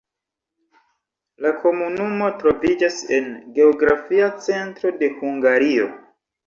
La komunumo troviĝas en geografia centro de Hungario.